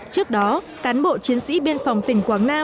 trước đó cán bộ chiến sĩ biên phòng tỉnh quảng nam đã ra chợ